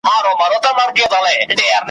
د یوې کښيني موضوع